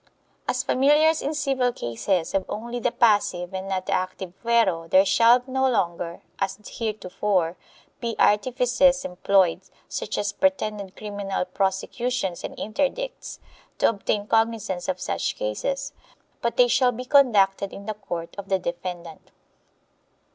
As familiars in civil cases have only the passive and not the active fuero there shall no longer, as heretofore, be artifices employed, such as pretended criminal prosecutions and interdicts, to obtain cognizance of such cases, but they shall be conducted in the court of the defendant.